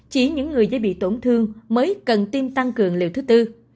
chỉ những người dễ bị tổn thương mới cần tiêm tăng cường liều thứ tư